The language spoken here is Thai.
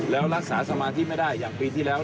แล้วรักษาสมาธิไม่ได้อย่างปีที่แล้ว